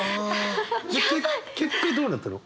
で結局どうなったの？